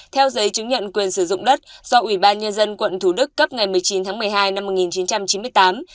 theo giấy chứng nhận quyền sử dụng đất do ủy ban nhân dân quận thủ đức cấp ngày một mươi chín tháng một mươi hai năm một nghìn chín trăm chín mươi tám